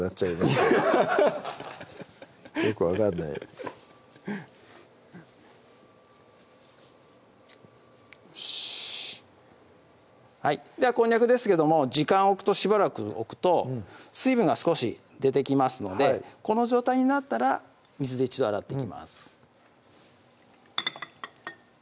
アハハッよく分かんないよしではこんにゃくですけども時間置くとしばらく置くと水分が少し出てきますのでこの状態になったら水で一度洗っていきます